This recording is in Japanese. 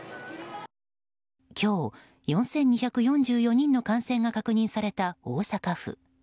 今日、４２４４人の感染が確認された大阪府。